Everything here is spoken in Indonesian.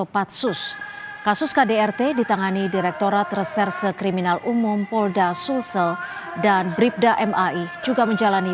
pertama di kompas petang